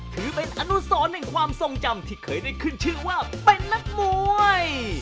ถือเป็นอนุสรในความทรงจำที่เคยได้ขึ้นชื่อว่าเป็นนักมวย